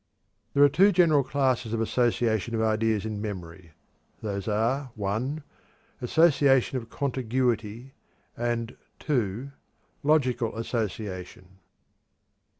There are two general classes of association of ideas in memory, viz.: (1) Association of contiguity, and (2) logical association.